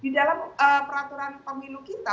di dalam peraturan pemilu kita